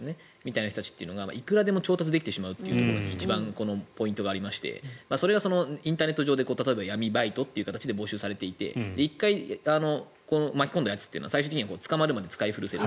この人たちをいくらでも調達できてしまうというところに一番、このポイントがありましてそれがインターネット上で例えば闇バイトという形で募集されていて１回巻き込んだやつというのは最終的には使い古せると。